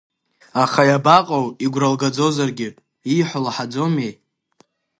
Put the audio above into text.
Аха иабаҟоу игәра лгаӡозаргьы, ииҳәо лаҳаӡомеи!